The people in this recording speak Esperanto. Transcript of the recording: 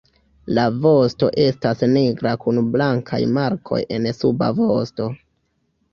La vosto estas nigra kun blankaj markoj en suba vosto.